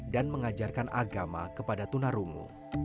dan mengajarkan agama kepada tunarungu